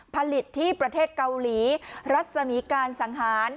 ผลิตที่ประเทศเกาหลีรัศมีการสังหาร